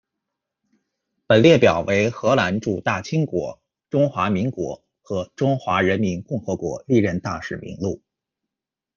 本列表为荷兰驻大清国、中华民国和中华人民共和国历任大使名录。